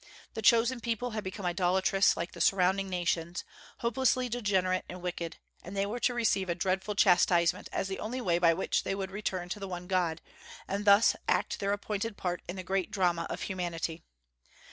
The chosen people had become idolatrous like the surrounding nations, hopelessly degenerate and wicked, and they were to receive a dreadful chastisement as the only way by which they would return to the One God, and thus act their appointed part in the great drama of humanity.